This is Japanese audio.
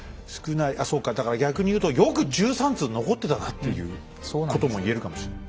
あそうかだから逆に言うとよく１３通残ってたなっていうことも言えるかもしれない。